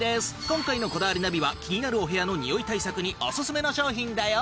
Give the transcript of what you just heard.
今回の『こだわりナビ』は気になるお部屋のにおい対策にオススメの商品だよ。